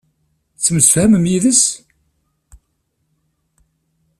Tettemsefhamem yid-s?